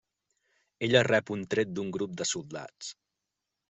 Ella rep un tret d'un grup de soldats.